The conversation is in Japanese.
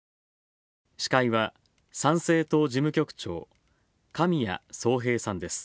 司会は、参政党事務局長神谷宗幣さんです。